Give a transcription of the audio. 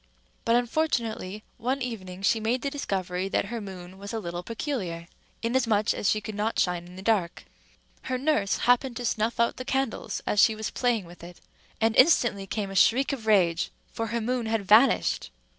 But, unfortunately, one evening she made the discovery that her moon was a little peculiar, inasmuch as she could not shine in the dark. Her nurse happened to snuff out the candles as she was playing with it; and instantly came a shriek of rage, for her moon had vanished.